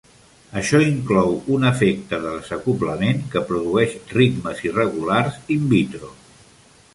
Això inclou un efecte de desacoblament que produeix ritmes irregulars in vitro.